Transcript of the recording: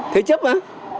thế chấp á